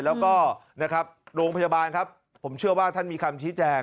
แล้วก็นะครับโรงพยาบาลครับผมเชื่อว่าท่านมีคำชี้แจง